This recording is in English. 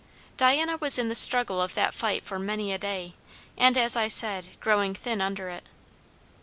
Diana was in the struggle of that fight for many a day, and, as I said, growing thin under it.